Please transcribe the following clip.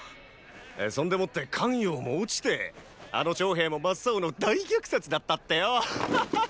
そんでもって咸陽も落ちてあの長平も真っ青の大虐殺だったってよ！